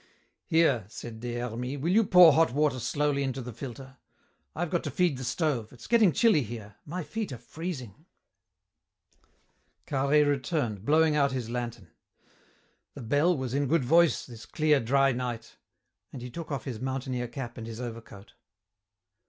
"Here," said Des Hermies, "will you pour hot water slowly into the filter? I've got to feed the stove. It's getting chilly here. My feet are freezing." Carhaix returned, blowing out his lantern. "The bell was in good voice, this clear, dry night," and he took off his mountaineer cap and his overcoat.